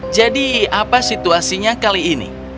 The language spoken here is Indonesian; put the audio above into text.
jadi apa situasinya kali ini